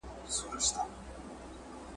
پلمې نه غواړي څېرلو ته د وریانو `